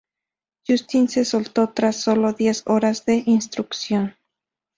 Justin se soltó tras sólo diez horas de instrucción.